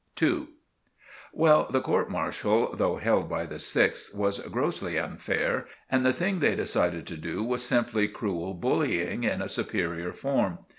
*II* Well, the court martial, though held by the sixth, was grossly unfair, and the thing they decided to do was simply cruel bullying in a superior form.